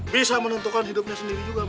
bisa menentukan hidupnya sendiri juga